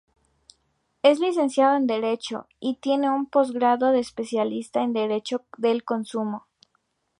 Es licenciado en Derecho y tiene un postgrado de especialista en Derecho del Consumo.